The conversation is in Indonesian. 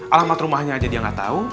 alamat rumahnya aja dia gak tau